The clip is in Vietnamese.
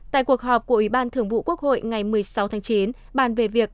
tại cuộc họp của ubnd ngày một mươi sáu tháng chín